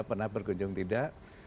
pernah berkunjung tidak